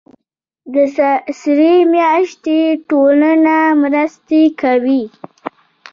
د سرې میاشتې ټولنه مرستې کوي